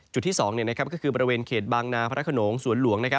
จุดที่๒ก็คือบริเวณเขตบางนาพระขนงสวนหลวง